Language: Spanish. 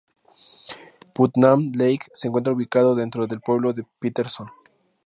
Putnam Lake se encuentra ubicado dentro del pueblo de Patterson.